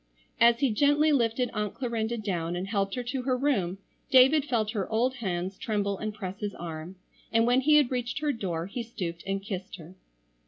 As he gently lifted Aunt Clarinda down and helped her to her room David felt her old hands tremble and press his arm, and when he had reached her door he stooped and kissed her.